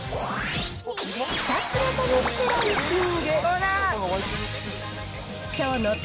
ひたすら試してランキング。